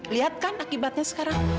lihat kan akibatnya sekarang